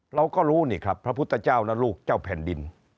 เราก็รู้นี่ครับพระพุทธเจ้าและลูกเจ้าแผ่นดิน